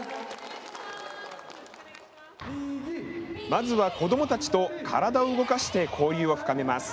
まずは子どもたちと体を動かして交流を深めます。